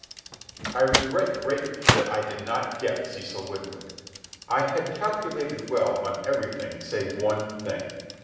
I regret greatly that I did not get Cecil Winwood. I had calculated well on everything save one thing.